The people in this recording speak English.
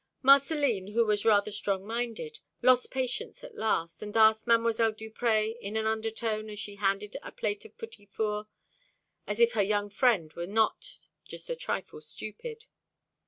Marcelline, who was rather strong minded, lost patience at last, and asked Mdlle. Duprez, in an undertone, as she handed a plate of petits fours, if her young friend was not just a trifle stupid.